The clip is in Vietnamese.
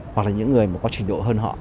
hoặc là những người có trình độ hơn họ